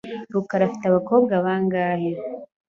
rukara afite abakobwa bangahe?